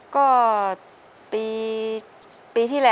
ขอบคุณค่ะ